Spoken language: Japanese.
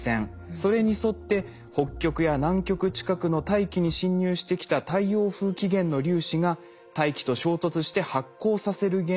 それに沿って北極や南極近くの大気に侵入してきた太陽風起源の粒子が大気と衝突して発光させる現象がオーロラなんです。